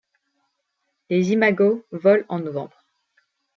Les imagos volent en novembre.